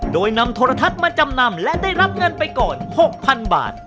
โดยนำโทรทัศน์มาจำนำและได้รับเงินไปก่อน๖๐๐๐บาท